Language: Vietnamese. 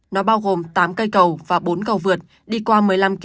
nó bao gồm tám cây cầu và bốn cầu vượt đi qua một mươi năm cây cầu